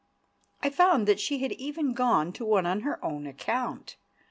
I found that she had even gone to one on her own account.